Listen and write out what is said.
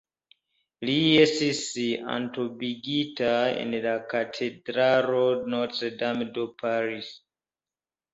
Li estis entombigita en la katedralo Notre-Dame de Paris.